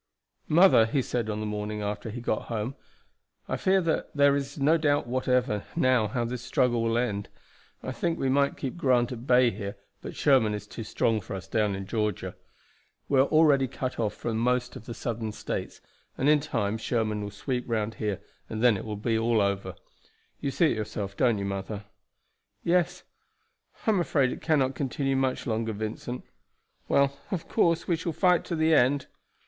"Mother," he said on the morning after he got home, "I fear that there is no doubt whatever now how this struggle will end. I think we might keep Grant at bay here, but Sherman is too strong for us down in Georgia. We are already cut off from most of the Southern States, and in time Sherman will sweep round here, and then it will be all over. You see it yourself, don't you, mother?" "Yes, I am afraid it cannot continue much longer, Vincent. Well, of course, we shall fight to the end."